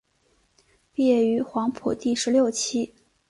毕业于黄埔第十六期。